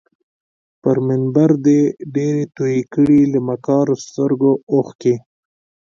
پر منبر دي ډیري توی کړې له مکارو سترګو اوښکي